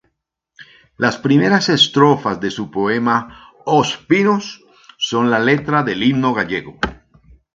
Las primeras estrofas de su poema ""Os pinos"" son la letra del himno gallego.